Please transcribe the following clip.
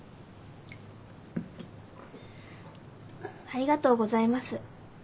ありがとうございます。